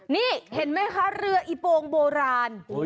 นี่เห็นไหมคะเรืออีโปงโบราณ